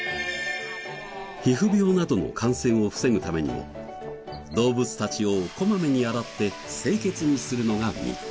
皮膚病などの感染を防ぐためにも動物たちをこまめに洗って清潔にするのが日課。